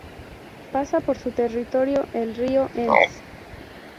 Pasa por su territorio el río Ems.